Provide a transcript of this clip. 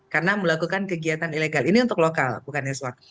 karena melakukan kegiatan illegal ini untuk lokal bukan ekspor